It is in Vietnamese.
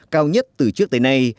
cao nhất từ trước tới nay